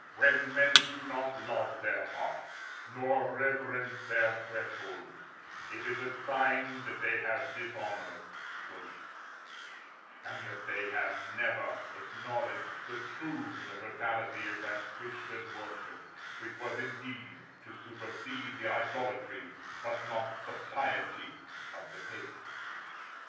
When men do not love their hearths, nor reverence their thresholds, it is a sign that they have dishonored both, and that they have never acknowledged the true universality of that Christian worship which was indeed to supersede the idolatry, but not the piety, of the pagan.